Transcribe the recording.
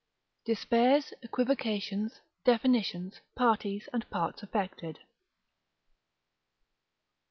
Despairs, Equivocations, Definitions, Parties and Parts affected_.